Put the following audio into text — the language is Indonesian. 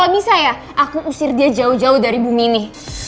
bisa ya aku usir dia jauh jauh dari bumi ini